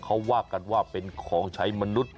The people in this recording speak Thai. เขาว่ากันว่าเป็นของใช้มนุษย์